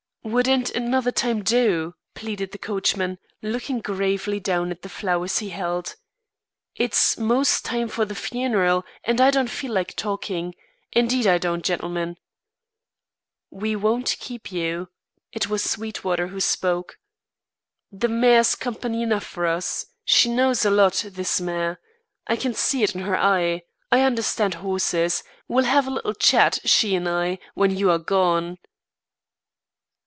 "Wouldn't another time do?" pleaded the coachman, looking gravely down at the flowers he held. "It's most time for the funeral and I don't feel like talking, indeed I don't, gentlemen." "We won't keep you." It was Sweetwater who spoke. "The mare's company enough for us. She knows a lot, this mare. I can see it in her eye. I understand horses; we'll have a little chat, she and I, when you are gone."